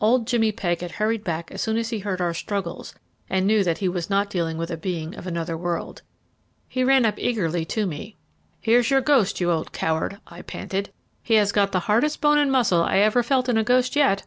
Old Jimmy Pegg had hurried back as soon as he heard our struggles and knew that he was not dealing with a being of another world. He ran up eagerly to me. "Here's your ghost, you old coward!" I panted; "he has got the hardest bone and muscle I ever felt in a ghost yet.